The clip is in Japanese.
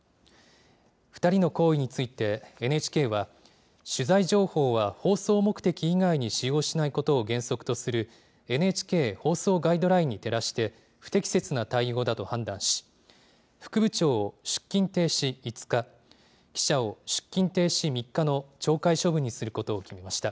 ２人の行為について、ＮＨＫは、取材情報は放送目的以外に使用しないことを原則とする、ＮＨＫ放送ガイドラインに照らして、不適切な対応だと判断し、副部長を出勤停止５日、記者を出勤停止３日の懲戒処分にすることを決めました。